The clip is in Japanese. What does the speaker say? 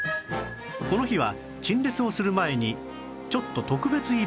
この日は陳列をする前にちょっと特別イベントが